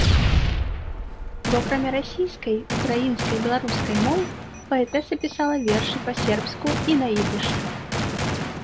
Бо акрамя расійскай, украінскай і беларускай моў паэтэса пісала вершы па-сербску і на ідыш.